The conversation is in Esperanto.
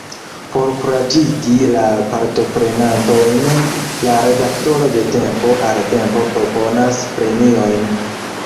Por kuraĝigi la partoprenantojn, la redaktoro de tempo al tempo proponas premiojn.